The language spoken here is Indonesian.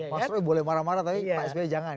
mas roy boleh marah marah tapi pak sby jangan